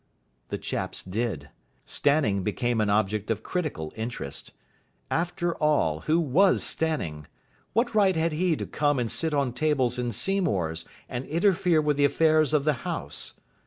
The chaps did. Stanning became an object of critical interest. After all, who was Stanning? What right had he to come and sit on tables in Seymour's and interfere with the affairs of the house?